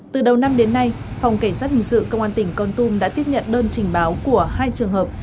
từ đầu năm đến nay phòng cảnh sát hình sự công an tỉnh con tum đã tiếp nhận đơn trình báo của hai trường hợp